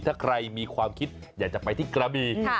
ถ้าใครมีความคิดอยากจะไปที่กระบี